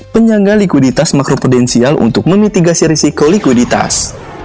penyangga likuiditas makropudensial untuk memitigasi risiko likuiditas